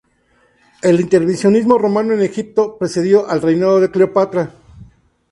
El intervencionismo romano en Egipto precedió al reinado de Cleopatra.